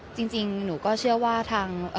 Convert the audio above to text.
จริงหนูก็เชื่อว่าทาง